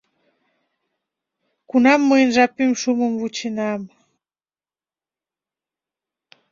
Кунам мыйын жапем шумым вученам.